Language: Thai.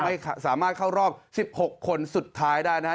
ไม่สามารถเข้ารอบ๑๖คนสุดท้ายได้นะฮะ